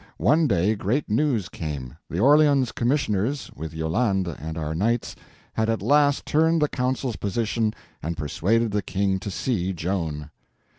One day great news came—the Orleans commissioners, with Yolande and our knights, had at last turned the council's position and persuaded the King to see Joan.